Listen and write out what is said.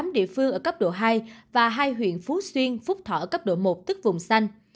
một mươi tám địa phương ở cấp độ hai và hai huyện phú xuyên phúc thỏ ở cấp độ một tức vùng xanh